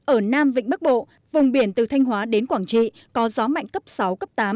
ở nam vịnh bắc bộ vùng biển từ thanh hóa đến quảng trị có gió mạnh cấp sáu cấp tám